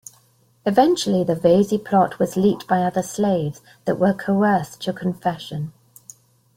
Eventually, the Vesey plot was leaked by other slaves that were coerced to confession.